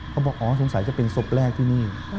บอกอ๋อสงสัยจะเป็นศพแรกที่นี่